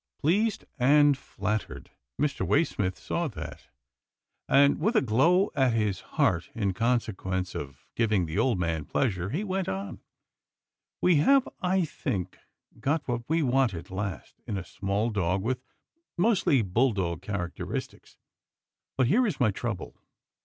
Pleased and flattered — Mr. Waysmith saw that, and, with a glow at his heart, in consequence of giv ing the old man pleasure, he went on, " We have, I think, got what we want at last, in a small dog with mostly bulldog characteristics. But here is my trouble.